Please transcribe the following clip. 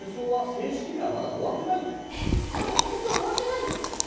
えっまだ戦争終わってないんですね。